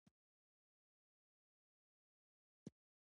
شيخ امین الله د اهل الحديثو يو ډير لوی او مشهور عالم دی